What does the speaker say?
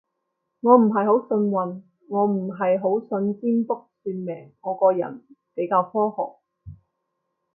我唔係好信運，我唔係好信占卜算命，我個人比較科學